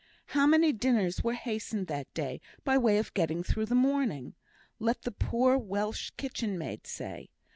How many dinners were hastened that day, by way of getting through the morning, let the poor Welsh kitchen maid say!